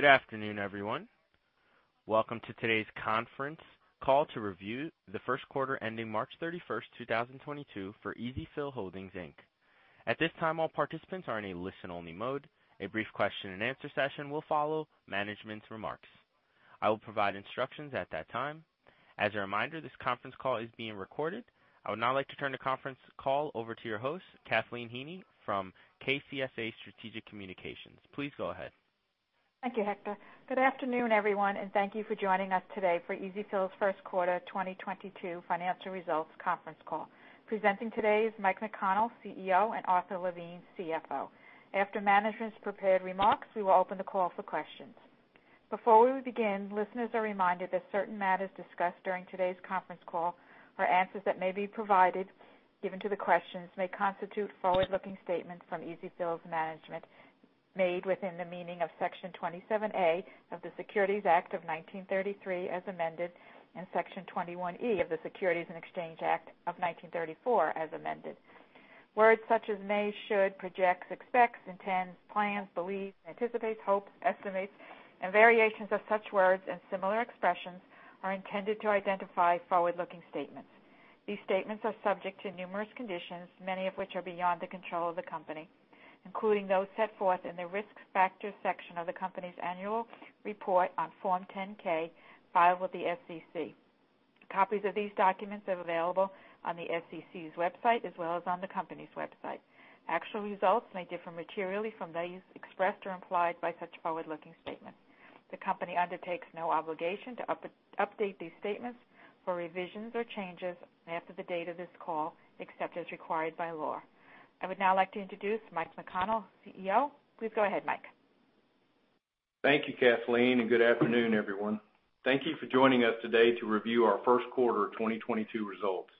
Good afternoon, everyone. Welcome to today's conference call to review the first quarter ending March thirty-first, two thousand and twenty-two for EzFill Holdings, Inc. At this time, all participants are in a listen-only mode. A brief question-and-answer session will follow management's remarks. I will provide instructions at that time. As a reminder, this conference call is being recorded. I would now like to turn the conference call over to your host, Kathleen Heaney from KCSA Strategic Communications. Please go ahead. Thank you, Hector. Good afternoon, everyone, and thank you for joining us today for EzFill's first quarter 2022 financial results conference call. Presenting today is Mike McConnell, CEO, and Arthur Levine, CFO. After management's prepared remarks, we will open the call for questions. Before we begin, listeners are reminded that certain matters discussed during today's conference call or answers that may be provided in response to the questions may constitute forward-looking statements from EzFill's management made within the meaning of Section 27A of the Securities Act of 1933 as amended and Section 21E of the Securities Exchange Act of 1934 as amended. Words such as may, should, projects, expects, intends, plans, believes, anticipates, hope, estimates, and variations of such words and similar expressions are intended to identify forward-looking statements. These statements are subject to numerous conditions, many of which are beyond the control of the company, including those set forth in the Risk Factors section of the company's annual report on Form 10-K filed with the SEC. Copies of these documents are available on the SEC's website as well as on the company's website. Actual results may differ materially from those expressed or implied by such forward-looking statements. The company undertakes no obligation to update these statements for revisions or changes after the date of this call, except as required by law. I would now like to introduce Mike McConnell, CEO. Please go ahead, Mike. Thank you, Kathleen, and good afternoon, everyone. Thank you for joining us today to review our first quarter of 2022 results.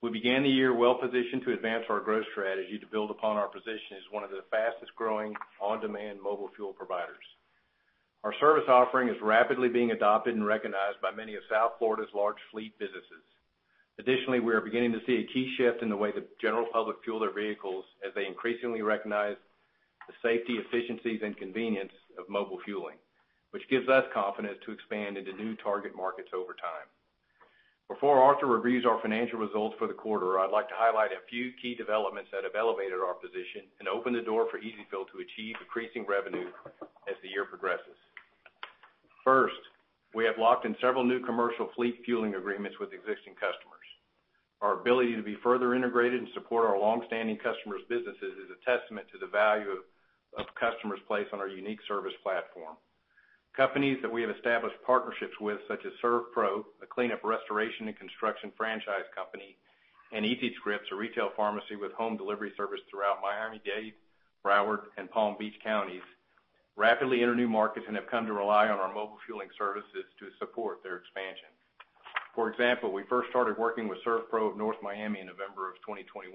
We began the year well-positioned to advance our growth strategy to build upon our position as one of the fastest-growing on-demand mobile fuel providers. Our service offering is rapidly being adopted and recognized by many of South Florida's large fleet businesses. Additionally, we are beginning to see a key shift in the way the general public fuel their vehicles as they increasingly recognize the safety, efficiencies, and convenience of mobile fueling, which gives us confidence to expand into new target markets over time. Before Arthur reviews our financial results for the quarter, I'd like to highlight a few key developments that have elevated our position and opened the door for EzFill to achieve increasing revenue as the year progresses. First, we have locked in several new commercial fleet fueling agreements with existing customers. Our ability to be further integrated and support our long-standing customers' businesses is a testament to the value of customers placed on our unique service platform. Companies that we have established partnerships with, such as SERVPRO, a cleanup, restoration, and construction franchise company, and EasyScripts, a retail pharmacy with home delivery service throughout Miami-Dade, Broward, and Palm Beach Counties, rapidly enter new markets and have come to rely on our mobile fueling services to support their expansion. For example, we first started working with SERVPRO of North Miami in November 2021.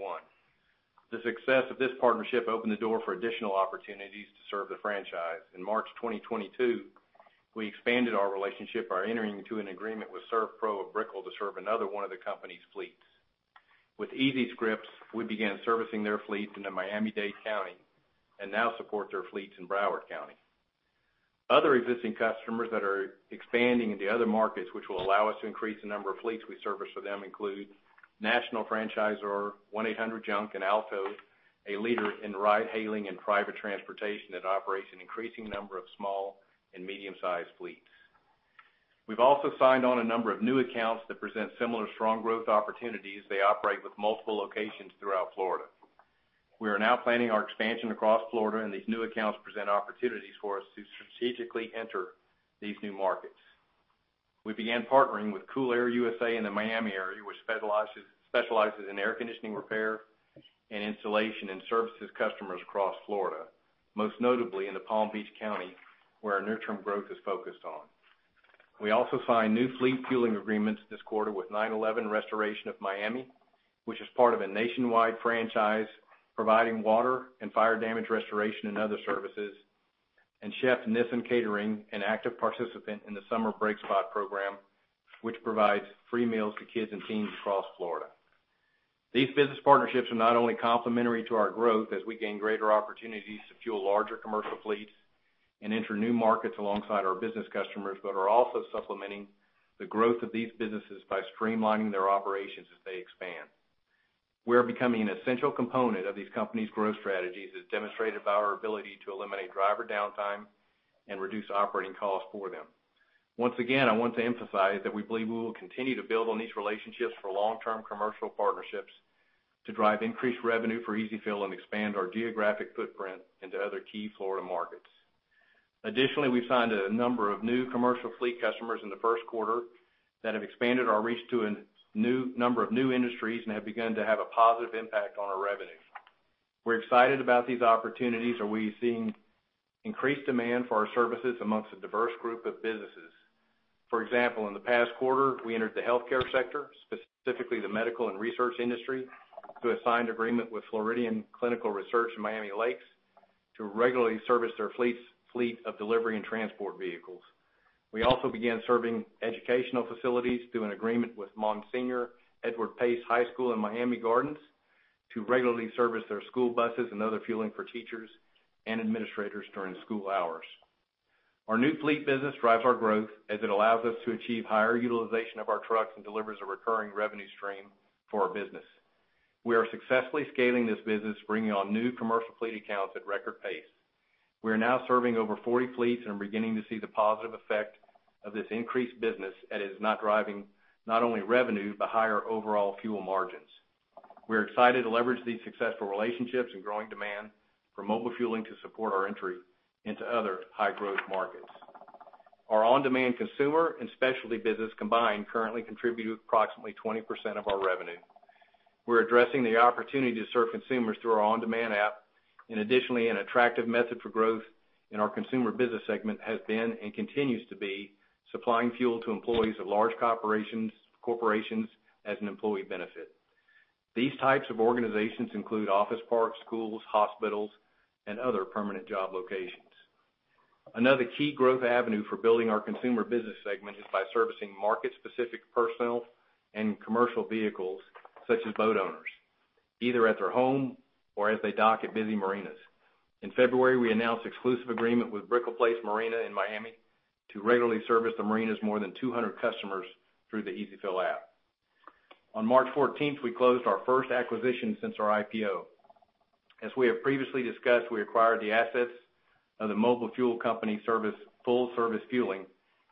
The success of this partnership opened the door for additional opportunities to serve the franchise. In March 2022, we expanded our relationship by entering into an agreement with SERVPRO of Brickell to serve another one of the company's fleets. With EasyScripts, we began servicing their fleet in the Miami-Dade County and now support their fleets in Broward County. Other existing customers that are expanding into other markets which will allow us to increase the number of fleets we service for them include national franchisor 1-800-JUNK and Alto, a leader in ride-hailing and private transportation that operates an increasing number of small and medium-sized fleets. We've also signed on a number of new accounts that present similar strong growth opportunities. They operate with multiple locations throughout Florida. We are now planning our expansion across Florida, and these new accounts present opportunities for us to strategically enter these new markets. We began partnering with Cool Air USA in the Miami area, which specializes in air conditioning repair and installation and services customers across Florida, most notably in the Palm Beach County, where our near-term growth is focused on. We also signed new fleet fueling agreements this quarter with 911 Restoration of Miami, which is part of a nationwide franchise providing water and fire damage restoration and other services, and Chef Nissen Catering, an active participant in the Summer BreakSpot program, which provides free meals to kids and teens across Florida. These business partnerships are not only complementary to our growth as we gain greater opportunities to fuel larger commercial fleets and enter new markets alongside our business customers, but are also supplementing the growth of these businesses by streamlining their operations as they expand. We are becoming an essential component of these companies' growth strategies as demonstrated by our ability to eliminate driver downtime and reduce operating costs for them. Once again, I want to emphasize that we believe we will continue to build on these relationships for long-term commercial partnerships to drive increased revenue for EzFill and expand our geographic footprint into other key Florida markets. Additionally, we've signed a number of new commercial fleet customers in the first quarter that have expanded our reach to a number of new industries and have begun to have a positive impact on our revenue. We're excited about these opportunities, and we've seen increased demand for our services amongst a diverse group of businesses. For example, in the past quarter, we entered the healthcare sector, specifically the medical and research industry, through a signed agreement with Floridian Clinical Research in Miami Lakes to regularly service their fleet of delivery and transport vehicles. We also began serving educational facilities through an agreement with Monsignor Edward Pace High School in Miami Gardens to regularly service their school buses and other fueling for teachers and administrators during school hours. Our new fleet business drives our growth as it allows us to achieve higher utilization of our trucks and delivers a recurring revenue stream for our business. We are successfully scaling this business, bringing on new commercial fleet accounts at record pace. We are now serving over 40 fleets and are beginning to see the positive effect of this increased business, and it is driving not only revenue, but higher overall fuel margins. We're excited to leverage these successful relationships and growing demand for mobile fueling to support our entry into other high-growth markets. Our on-demand consumer and specialty business combined currently contribute approximately 20% of our revenue. We're addressing the opportunity to serve consumers through our on-demand app, and additionally, an attractive method for growth in our consumer business segment has been and continues to be supplying fuel to employees of large corporations as an employee benefit. These types of organizations include office parks, schools, hospitals, and other permanent job locations. Another key growth avenue for building our consumer business segment is by servicing market-specific personnel and commercial vehicles such as boat owners, either at their home or as they dock at busy marinas. In February, we announced exclusive agreement with Brickell Place Marina in Miami to regularly service the marina's more than 200 customers through the EzFill app. On March fourteenth, we closed our first acquisition since our IPO. As we have previously discussed, we acquired the assets of the mobile fuel company Full Service Fueling,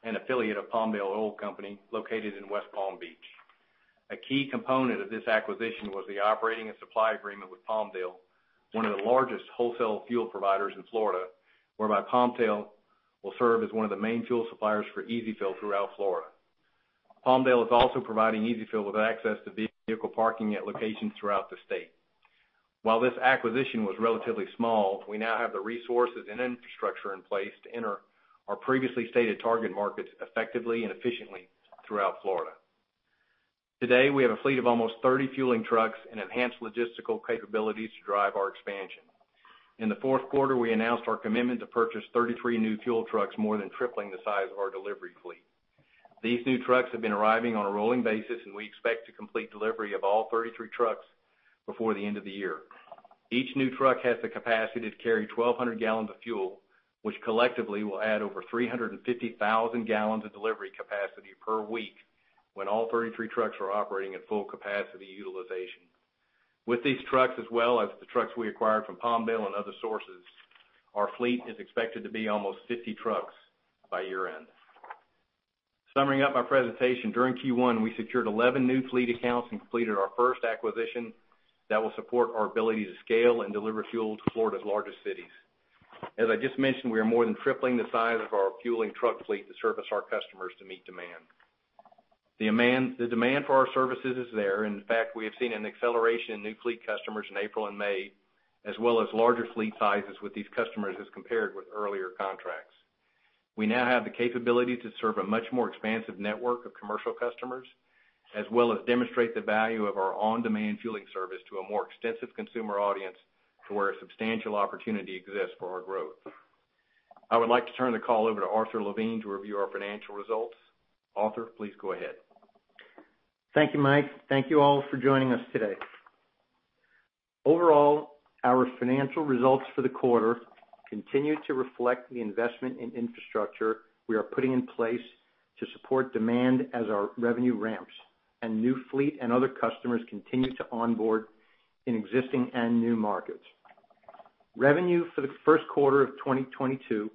an affiliate of Palmdale Oil Company located in West Palm Beach. A key component of this acquisition was the operating and supply agreement with Palmdale, one of the largest wholesale fuel providers in Florida, whereby Palmdale will serve as one of the main fuel suppliers for EzFill throughout Florida. Palmdale is also providing EzFill with access to vehicle parking at locations throughout the state. While this acquisition was relatively small, we now have the resources and infrastructure in place to enter our previously stated target markets effectively and efficiently throughout Florida. Today, we have a fleet of almost 30 fueling trucks and enhanced logistical capabilities to drive our expansion. In the fourth quarter, we announced our commitment to purchase 33 new fuel trucks, more than tripling the size of our delivery fleet. These new trucks have been arriving on a rolling basis, and we expect to complete delivery of all 33 trucks before the end of the year. Each new truck has the capacity to carry 1,200 gallons of fuel, which collectively will add over 350,000 gallons of delivery capacity per week when all 33 trucks are operating at full capacity utilization. With these trucks, as well as the trucks we acquired from Palmdale and other sources, our fleet is expected to be almost 50 trucks by year-end. Summing up our presentation, during Q1, we secured 11 new fleet accounts and completed our first acquisition that will support our ability to scale and deliver fuel to Florida's largest cities. As I just mentioned, we are more than tripling the size of our fueling truck fleet to service our customers to meet demand. The demand for our services is there, and in fact, we have seen an acceleration in new fleet customers in April and May, as well as larger fleet sizes with these customers as compared with earlier contracts. We now have the capability to serve a much more expansive network of commercial customers, as well as demonstrate the value of our on-demand fueling service to a more extensive consumer audience to where a substantial opportunity exists for our growth. I would like to turn the call over to Arthur Levine to review our financial results. Arthur, please go ahead. Thank you, Mike. Thank you all for joining us today. Overall, our financial results for the quarter continue to reflect the investment in infrastructure we are putting in place to support demand as our revenue ramps and new fleet and other customers continue to onboard in existing and new markets. Revenue for the first quarter of 2022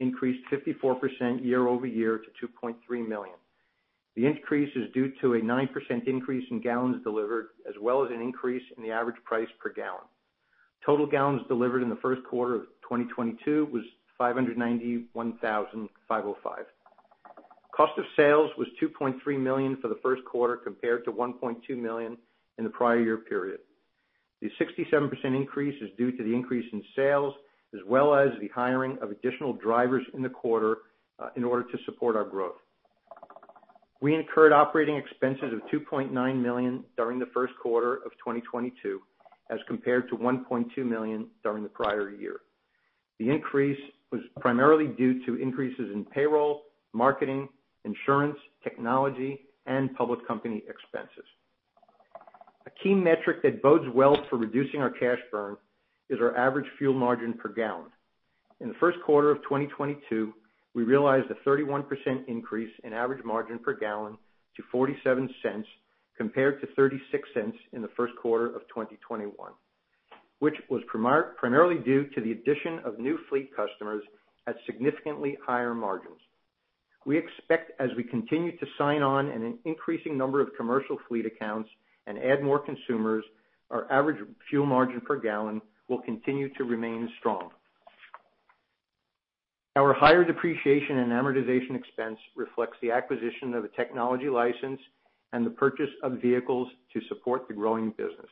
increased 54% year-over-year to $2.3 million. The increase is due to a 9% increase in gallons delivered, as well as an increase in the average price per gallon. Total gallons delivered in the first quarter of 2022 was 591,505. Cost of sales was $2.3 million for the first quarter, compared to $1.2 million in the prior year period. The 67% increase is due to the increase in sales as well as the hiring of additional drivers in the quarter in order to support our growth. We incurred operating expenses of $2.9 million during the first quarter of 2022, as compared to $1.2 million during the prior year. The increase was primarily due to increases in payroll, marketing, insurance, technology, and public company expenses. A key metric that bodes well for reducing our cash burn is our average fuel margin per gallon. In the first quarter of 2022, we realized a 31% increase in average margin per gallon to $0.47, compared to $0.36 in the first quarter of 2021, which was primarily due to the addition of new fleet customers at significantly higher margins. We expect as we continue to sign on in an increasing number of commercial fleet accounts and add more consumers, our average fuel margin per gallon will continue to remain strong. Our higher depreciation and amortization expense reflects the acquisition of a technology license and the purchase of vehicles to support the growing business.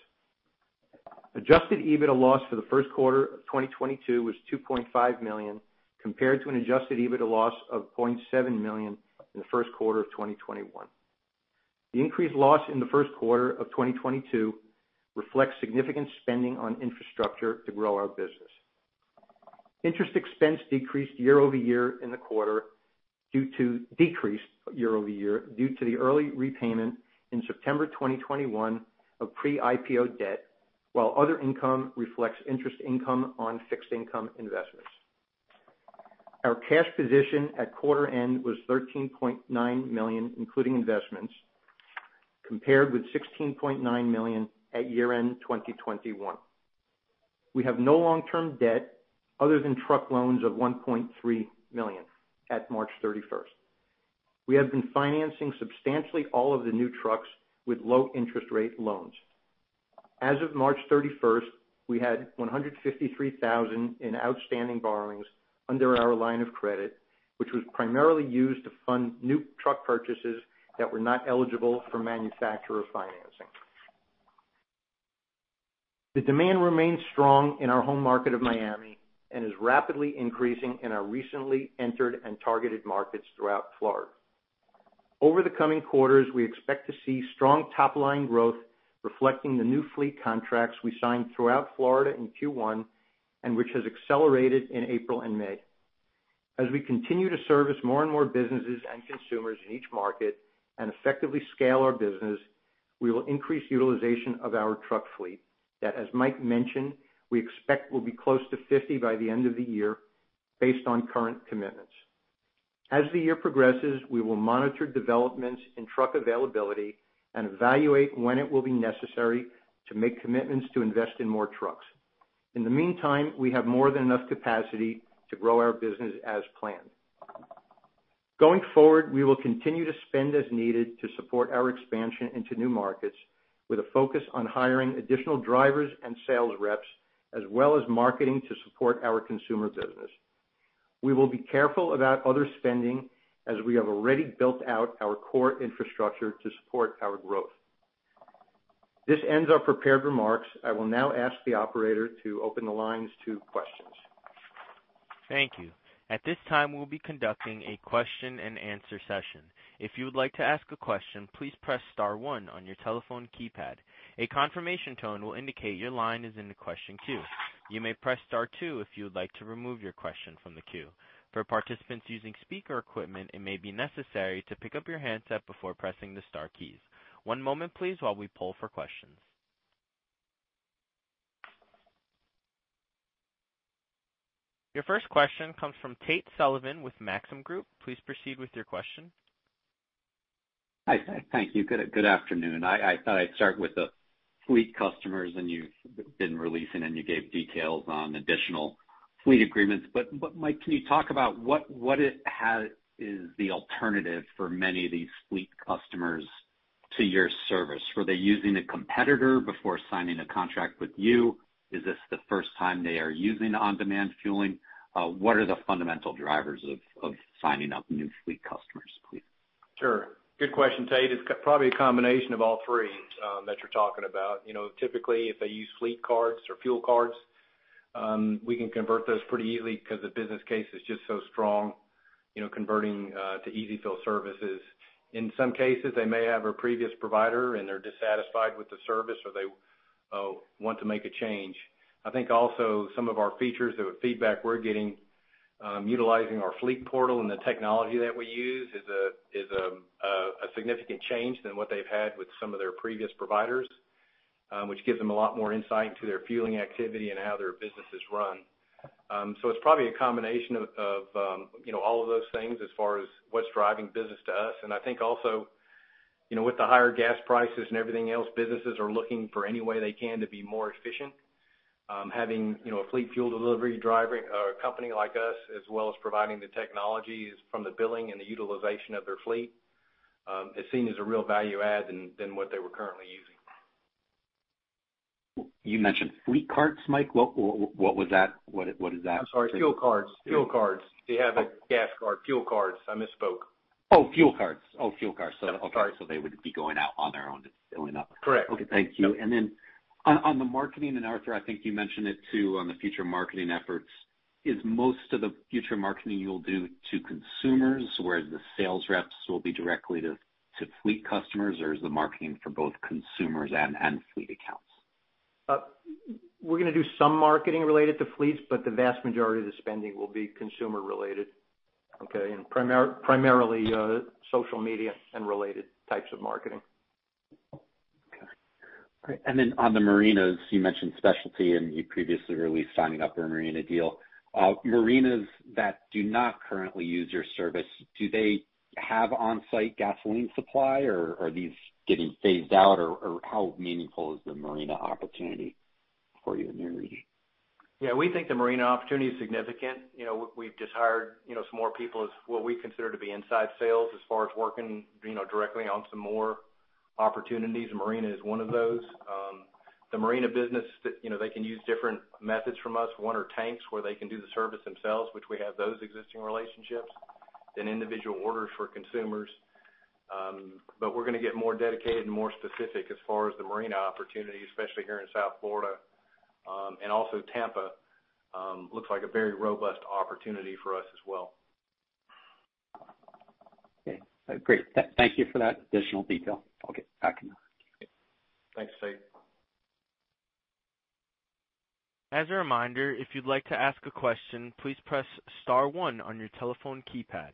Adjusted EBITDA loss for the first quarter of 2022 was $2.5 million, compared to an adjusted EBITDA loss of $0.7 million in the first quarter of 2021. The increased loss in the first quarter of 2022 reflects significant spending on infrastructure to grow our business. Interest expense decreased year-over-year in the quarter due to the early repayment in September 2021 of pre-IPO debt, while other income reflects interest income on fixed income investments. Our cash position at quarter-end was $13.9 million, including investments, compared with $16.9 million at year-end 2021. We have no long-term debt other than truck loans of $1.3 million at March 31st. We have been financing substantially all of the new trucks with low-interest-rate loans. As of March 31st, we had 153,000 in outstanding borrowings under our line of credit, which was primarily used to fund new truck purchases that were not eligible for manufacturer financing. The demand remains strong in our home market of Miami and is rapidly increasing in our recently entered and targeted markets throughout Florida. Over the coming quarters, we expect to see strong top line growth reflecting the new fleet contracts we signed throughout Florida in Q1 and which has accelerated in April and May. As we continue to service more and more businesses and consumers in each market and effectively scale our business, we will increase utilization of our truck fleet, that, as Mike mentioned, we expect will be close to 50 by the end of the year based on current commitments. As the year progresses, we will monitor developments in truck availability and evaluate when it will be necessary to make commitments to invest in more trucks. In the meantime, we have more than enough capacity to grow our business as planned. Going forward, we will continue to spend as needed to support our expansion into new markets with a focus on hiring additional drivers and sales reps, as well as marketing to support our consumer business. We will be careful about other spending as we have already built out our core infrastructure to support our growth. This ends our prepared remarks. I will now ask the operator to open the lines to questions. Thank you. At this time, we'll be conducting a question-and-answer session. If you would like to ask a question, please press star one on your telephone keypad. A confirmation tone will indicate your line is in the question queue. You may press star two if you would like to remove your question from the queue. For participants using speaker equipment, it may be necessary to pick up your handset before pressing the star keys. One moment, please, while we poll for questions. Your first question comes from Tate Sullivan with Maxim Group. Please proceed with your question. Hi. Thank you. Good afternoon. I thought I'd start with the fleet customers, and you've been releasing, and you gave details on additional fleet agreements. Mike, can you talk about what the alternative is for many of these fleet customers to your service? Were they using a competitor before signing a contract with you? Is this the first time they are using on-demand fueling? What are the fundamental drivers of signing up new fleet customers, please? Sure. Good question, Tate. It's probably a combination of all three that you're talking about. You know, typically, if they use fleet cards or fuel cards, we can convert those pretty easily because the business case is just so strong, you know, converting to EzFill services. In some cases, they may have a previous provider, and they're dissatisfied with the service, or they want to make a change. I think also some of our features, the feedback we're getting, utilizing our fleet portal and the technology that we use is a significant change than what they've had with some of their previous providers, which gives them a lot more insight into their fueling activity and how their business is run. It's probably a combination of, you know, all of those things as far as what's driving business to us. I think also, you know, with the higher gas prices and everything else, businesses are looking for any way they can to be more efficient. Having, you know, a fleet fuel delivery driver or a company like us as well as providing the technologies from the billing and the utilization of their fleet, is seen as a real value add than what they were currently using. You mentioned fleet cards, Mike. What was that? What is that? I'm sorry. Fuel cards. They have a gas card, fuel cards. I misspoke. Oh, fuel cards. Sorry. They would be going out on their own and filling up. Correct. Okay. Thank you. On the marketing, and Arthur, I think you mentioned it too on the future marketing efforts, is most of the future marketing you'll do to consumers, whereas the sales reps will be directly to fleet customers, or is the marketing for both consumers and fleet accounts? We're gonna do some marketing related to fleets, but the vast majority of the spending will be consumer-related. Okay. Primarily, social media and related types of marketing. Okay. On the marinas, you mentioned specialty, and you previously released signing up for a marina deal. Marinas that do not currently use your service, do they have on-site gasoline supply, or are these getting phased out, or how meaningful is the marina opportunity for you in your region? Yeah. We think the marina opportunity is significant. You know, we've just hired, you know, some more people as what we consider to be inside sales as far as working, you know, directly on some more opportunities. Marina is one of those. The marina business that, you know, they can use different methods from us. One are tanks where they can do the service themselves, which we have those existing relationships, then individual orders for consumers. We're gonna get more dedicated and more specific as far as the marina opportunity, especially here in South Florida. Also, Tampa looks like a very robust opportunity for us as well. Okay. Great. Thank you for that additional detail. Okay, back now. Thanks, Tate. As a reminder, if you'd like to ask a question, please press star one on your telephone keypad.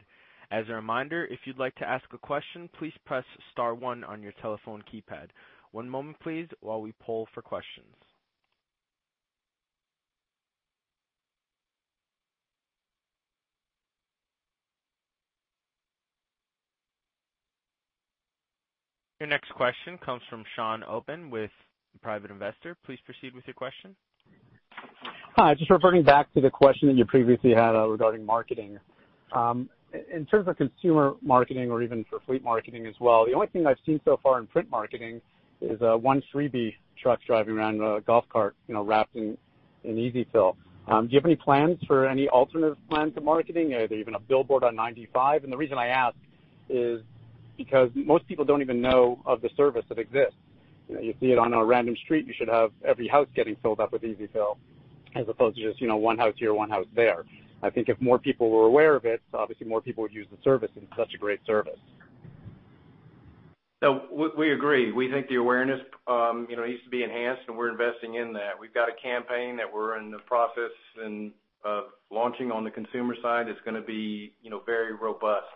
As a reminder, if you'd like to ask a question, please press star one on your telephone keypad. One moment, please, while we poll for questions. Your next question comes from Sean Oppen with Private Investor. Please proceed with your question. Hi. Just referring back to the question that you previously had, regarding marketing. In terms of consumer marketing or even for fleet marketing as well, the only thing I've seen so far in print marketing is a one 3B trucks driving around a golf cart, you know, wrapped in EzFill. Do you have any plans for any alternative plans of marketing? Are there even a billboard on 95? The reason I ask is because most people don't even know of the service that exists. You know, you see it on a random street, you should have every house getting filled up with EzFill, as opposed to just, you know, one house here, one house there. I think if more people were aware of it, obviously, more people would use the service. It's such a great service. We agree. We think the awareness needs to be enhanced, and we're investing in that. We've got a campaign that we're in the process of launching on the consumer side. It's gonna be very robust.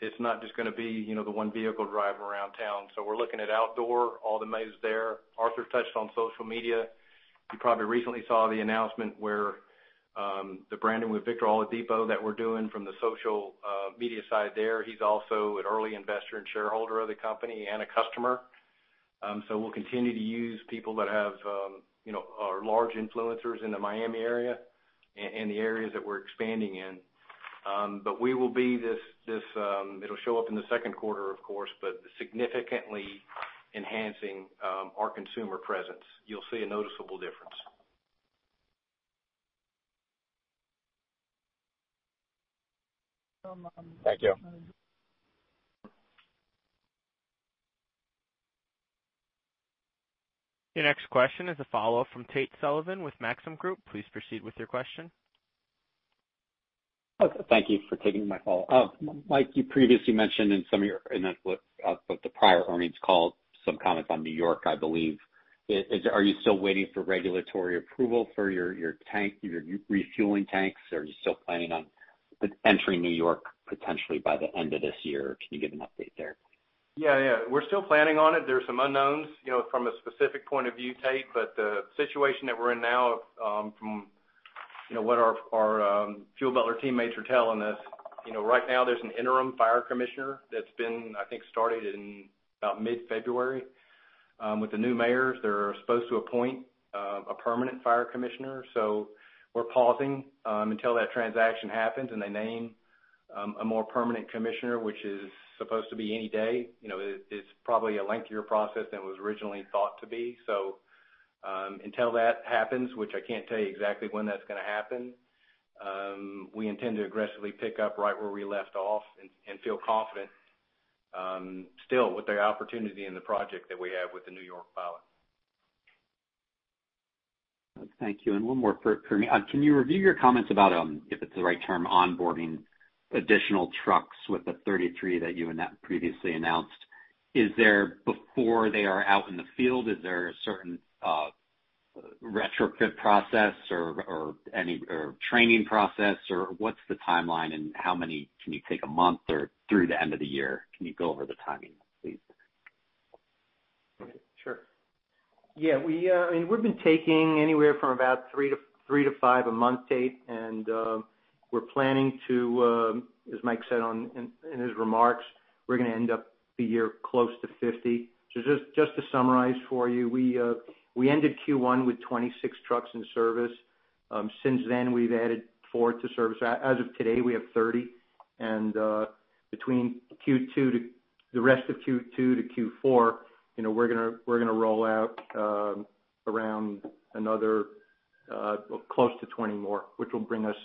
It's not just gonna be the one vehicle driving around town. We're looking at outdoor, all the majors there. Arthur touched on social media. You probably recently saw the announcement where the branding with Victor Oladipo that we're doing from the social media side there. He's also an early investor and shareholder of the company and a customer. We'll continue to use people that have are large influencers in the Miami area and the areas that we're expanding in. It'll show up in the second quarter, of course, but significantly enhancing our consumer presence. You'll see a noticeable difference. Thank you. Your next question is a follow-up from Tate Sullivan with Maxim Group. Please proceed with your question. Okay. Thank you for taking my call. Mike, you previously mentioned in the prior earnings call some comments on New York, I believe. Are you still waiting for regulatory approval for your tank, your refueling tanks? Are you still planning on entering New York potentially by the end of this year? Can you give an update there? Yeah, yeah. We're still planning on it. There are some unknowns, you know, from a specific point of view, Tate, but the situation that we're in now, from, you know, what our Fuel Butler teammates are telling us, you know, right now there's an interim fire commissioner that's been, I think, started in about mid-February. With the new mayors, they're supposed to appoint a permanent fire commissioner. We're pausing until that transaction happens and they name a more permanent commissioner, which is supposed to be any day. You know, it's probably a lengthier process than was originally thought to be. Until that happens, which I can't tell you exactly when that's gonna happen, we intend to aggressively pick up right where we left off and feel confident still with the opportunity and the project that we have with the New York pilot. Thank you. One more for me. Can you review your comments about, if it's the right term, onboarding additional trucks with the 33 that you previously announced? Is there, before they are out in the field, a certain retrofit process or any training process, or what's the timeline and how many can you take a month or through the end of the year? Can you go over the timing, please? Okay. Sure. Yeah, we, I mean, we've been taking anywhere from about three to five a month to date. We're planning to, as Mike said in his remarks, we're gonna end up the year close to 50. Just to summarize for you, we ended Q1 with 26 trucks in service. Since then, we've added four to service. As of today, we have 30. Between Q2 to the rest of Q2 to Q4, you know, we're gonna roll out around another close to 20 more, which will bring us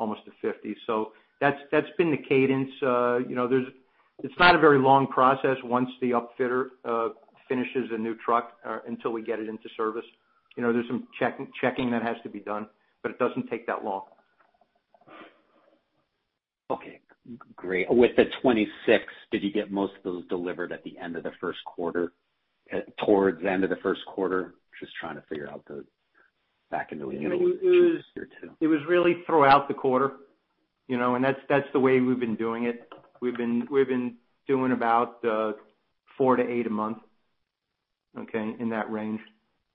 almost to 50. That's been the cadence. You know, it's not a very long process once the upfitter finishes a new truck until we get it into service. You know, there's some checking that has to be done, but it doesn't take that long. Okay, great. With the 26 trucks, did you get most of those delivered at the end of the first quarter, towards the end of the first quarter? Just trying to figure out the back end of the year. Q2. It was really throughout the quarter, you know, and that's the way we've been doing it. We've been doing about four to eight a month. Okay? In that range.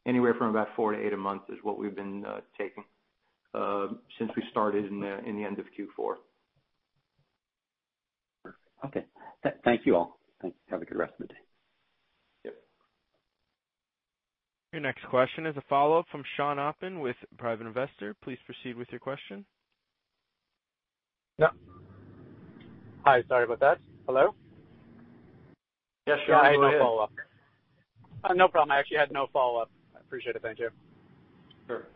Anywhere from about four to eight a month is what we've been taking since we started in the end of Q4. Perfect. Okay. Thank you all. Thanks. Have a good rest of the day. Yep. Your next question is a follow-up from Sean Oppen with Private Investor. Please proceed with your question. Yeah. Hi, sorry about that. Hello? Yes, Sean. Go ahead. I had no follow-up. No problem. I actually had no follow-up. I appreciate it. Thank you. Sure.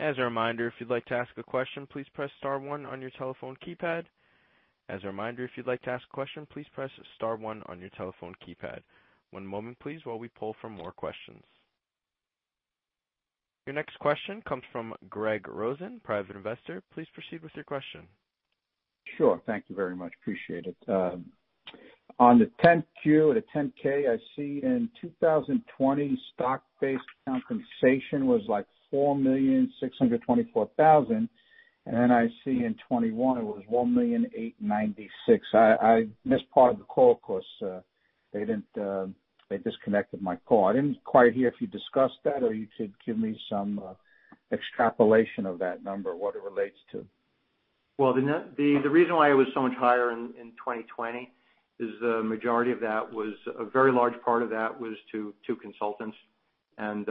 As a reminder, if you'd like to ask a question, please press star one on your telephone keypad. One moment please, while we poll for more questions. Your next question comes from Greg Rosen, Private Investor. Please proceed with your question. Sure. Thank you very much. Appreciate it. On the 10-Q, the 10-K, I see in 2020 stock-based compensation was like $4,624,000, and then I see in 2021 it was $1,896,000. I missed part of the call 'cause they didn't, they disconnected my call. I didn't quite hear if you discussed that or you could give me some extrapolation of that number, what it relates to. Well, the reason why it was so much higher in 2020 is the majority of that was a very large part of that was to consultants and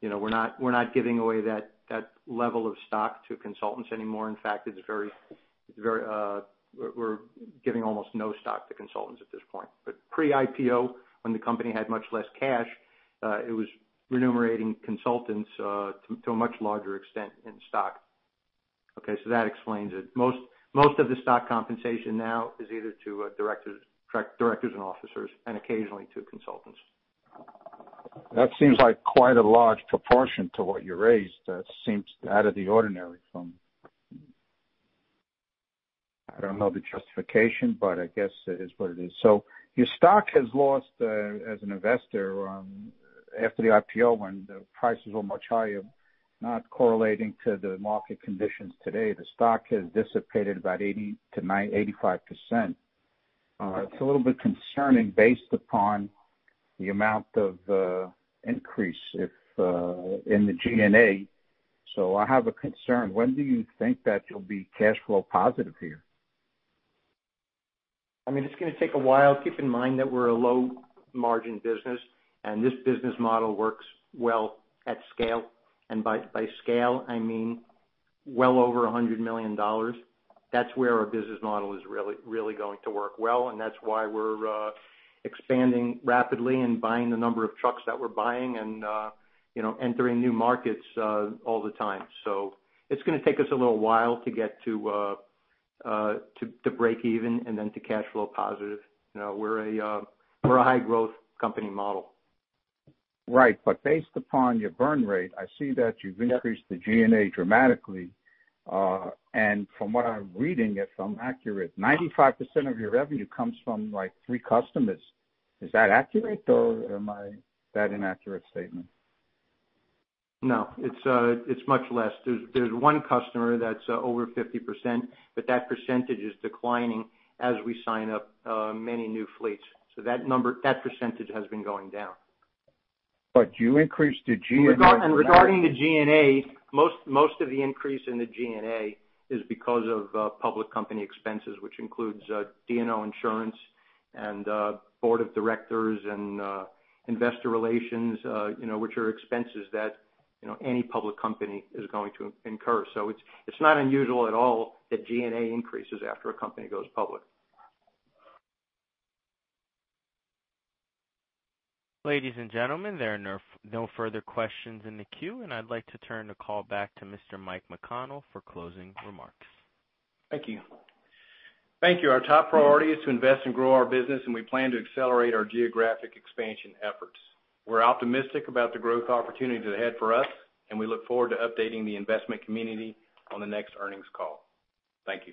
you know, we're not giving away that level of stock to consultants anymore. In fact, it's very we're giving almost no stock to consultants at this point. Pre-IPO, when the company had much less cash, it was remunerating consultants to a much larger extent in stock. Okay, that explains it. Most of the stock compensation now is either to directors and officers and occasionally to consultants. That seems like quite a large proportion to what you raised. That seems out of the ordinary. I don't know the justification, but I guess it is what it is. Your stock has lost, as an investor, after the IPO when the price was much higher, not correlating to the market conditions today, the stock has dissipated about 80%-95%. It's a little bit concerning based upon the amount of increase in the G&A. I have a concern. When do you think that you'll be cash flow positive here? I mean, it's gonna take a while. Keep in mind that we're a low-margin business, and this business model works well at scale. By scale, I mean well over $100 million. That's where our business model is really going to work well, and that's why we're expanding rapidly and buying the number of trucks that we're buying and you know, entering new markets all the time. It's gonna take us a little while to get to break even and then to cash flow positive. You know, we're a high-growth company model. Right. Based upon your burn rate, I see that you've increased the G&A dramatically. From what I'm reading, if I'm accurate, 95% of your revenue comes from like three customers. Is that an inaccurate statement? No, it's much less. There's one customer that's over 50%, but that percentage is declining as we sign up many new fleets. That number, that percentage has been going down. You increased the G&A. Regarding the G&A, most of the increase in the G&A is because of public company expenses, which includes D&O insurance and board of directors and investor relations, you know, which are expenses that, you know, any public company is going to incur. It's not unusual at all that G&A increases after a company goes public. Ladies and gentlemen, there are no further questions in the queue, and I'd like to turn the call back to Mr. Mike McConnell for closing remarks. Thank you. Thank you. Our top priority is to invest and grow our business, and we plan to accelerate our geographic expansion efforts. We're optimistic about the growth opportunities ahead for us, and we look forward to updating the investment community on the next earnings call. Thank you.